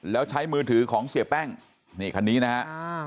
แล้วใช้มือถือของเสียแป้งนี่คันนี้นะฮะ